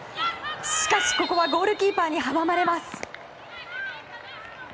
しかし、ここはゴールキーパーに阻まれます。